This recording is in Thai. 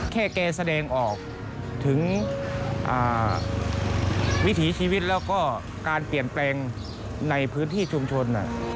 แค่แกแสดงออกถึงวิถีชีวิตแล้วก็การเปลี่ยนแปลงในพื้นที่ชุมชน